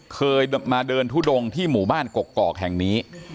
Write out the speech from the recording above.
เคยมาเดินทุดงที่หมู่บ้านกกอกแห่งนี้